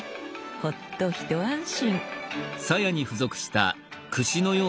ほっと一安心。